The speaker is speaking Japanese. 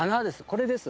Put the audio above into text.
これです。